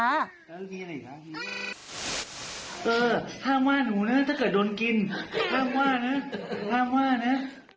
ห้ามว่าหนูนะถ้าเกิดโดนกินห้ามว่านะห้ามว่านะ